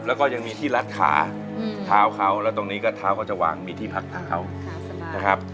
แล้วก็ยังมีที่รัดขาเท้าเขาแล้วตรงนี้ก็เท้าเขาจะวางมีที่พักเท้านะครับ